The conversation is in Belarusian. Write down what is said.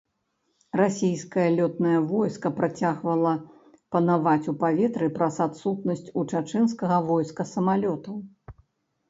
Расійскае лётнае войска працягвала панаваць у паветры праз адсутнасць у чачэнскага войска самалётаў.